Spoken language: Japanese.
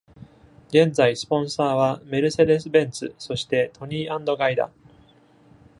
現在、スポンサーはメルセデスベンツ、そしてトニーアンドガイだ。